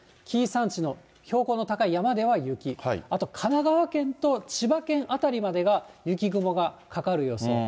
紀伊山地の標高の高い山では雪、あと神奈川県と千葉県辺りまでが雪雲がかかる予想。